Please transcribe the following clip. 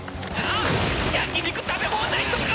焼き肉食べ放題とか！